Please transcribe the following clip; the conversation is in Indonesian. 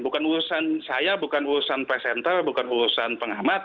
bukan urusan saya bukan urusan presenter bukan urusan pengamat